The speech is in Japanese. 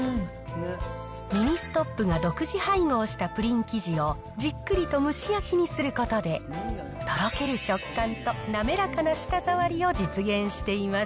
ミニストップが独自配合したプリン生地を、じっくりと蒸し焼きにすることで、とろける食感と滑らかな舌触りを実現しています。